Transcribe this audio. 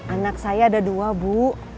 anak saya ada dua bu